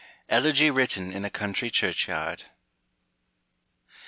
ELEGY WRITTEN IN A COUNTRY CHURCHYARD.